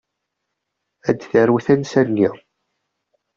Ad taru tansa-nni.